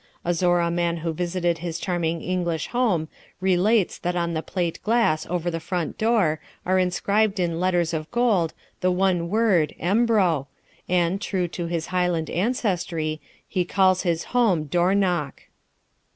A Zorra man who visited his charming English home relates that on the plate glass over the front door are inscribed in letters of gold the one word, "Embro," and, true to his Highland ancestry, he calls his home "Dornoch."